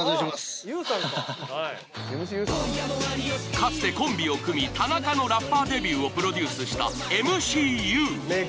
かつてコンビを組み田中のラッパーデビューをプロデュースしたＭＣＵ。